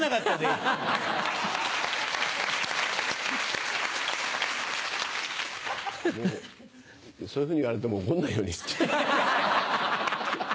もうそういうふうに言われても怒んないようにした。